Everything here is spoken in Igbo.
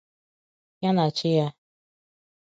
ya na chi ya.